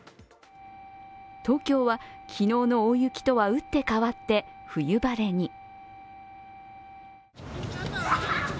東京は昨日の大雪とは打って変わって冬晴れに。